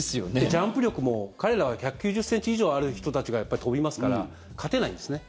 ジャンプ力も、彼らは１９０ｃｍ以上ある人たちが跳びますから勝てないんですね。